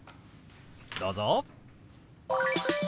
どうぞ！